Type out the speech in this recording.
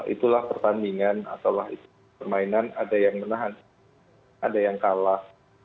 itulah pertandingan atau permainan ada yang menahan ada yang kalah